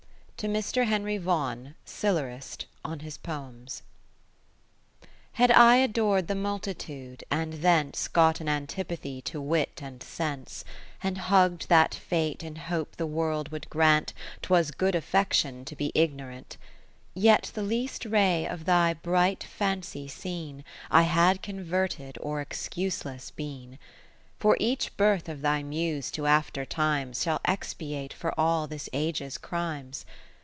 To Mr. Henry Vaughan, Silurist, on his Poems Had I ador'd the multitude, and thence Got an antipathy to Wit and Sense, And hugg'd that fate in hope the World would grant 'Twas good affection to be igno rant; Yet the least ray of thy bright fancy seen, I had converted, or excuseless been ; For each birth of thy Muse to after times Shall expiate for all this Age's crimes.